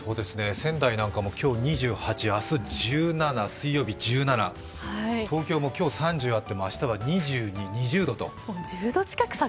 仙台なんかも今日２８、明日１７、水曜日、１７東京も今日、３０あっても明日は２２、２０度と。